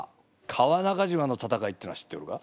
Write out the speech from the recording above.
川中島の戦いっていうのは知っておるか？